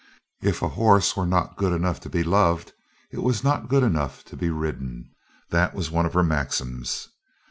If a horse were not good enough to be loved it was not good enough to be ridden. That was one of her maxims.